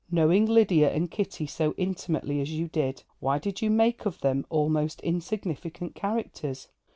Knowing Lydia and Kitty so intimately as you did, why did you make of them almost insignificant characters?